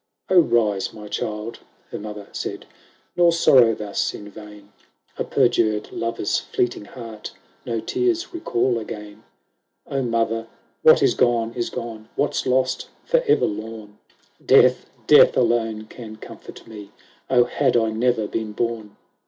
IX " 0, rise, my child," her mother said, " Nor sorrow thus in vain ; A perjured lover's fleeting heart No tears recall again." x " O mother, what is gone, is gone, What's lost, for ever lorn : Death, death alone can comfort me ; O had I ne'er been born